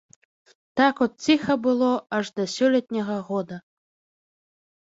Так от ціха было аж да сёлетняга года.